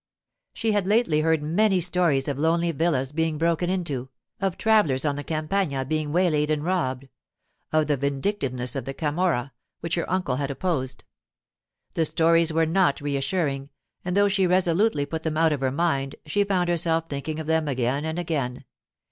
She had lately heard many stories of lonely villas being broken into, of travellers on the Campagna being waylaid and robbed, of the vindictiveness of the Camorra, which her uncle had opposed. The stories were not reassuring; and though she resolutely put them out of her mind, she found herself thinking of them again and again.